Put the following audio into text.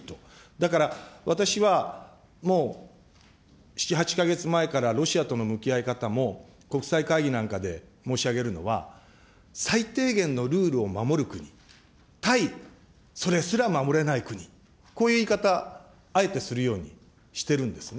だから、私はもう、７、８か月前から、ロシアとの向き合い方も、国際会議なんかで申し上げるのは、最低限のルールを守る国対、それすら守れない国、こういう言い方、あえてするようにしてるんですね。